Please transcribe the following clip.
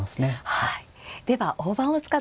はい。